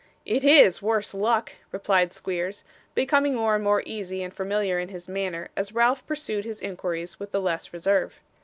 'It is, worse luck!' replied Squeers, becoming more and more easy and familiar in his manner, as Ralph pursued his inquiries with the less reserve.